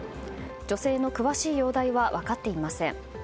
女性の詳しい容体は分かっていません。